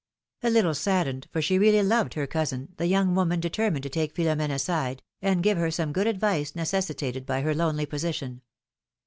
^^ A little saddened, for she really loved her cousin, the young woman determined to take Philornene aside, and give her some good advice necessitated by her lonely position.